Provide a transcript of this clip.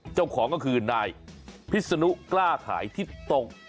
เจ้าของก็คือนายพิศนุกล้าขายทิศตรง